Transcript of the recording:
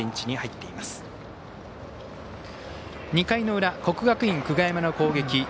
２回の裏、国学院久我山の攻撃。